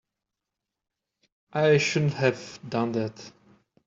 I shouldn't have done that.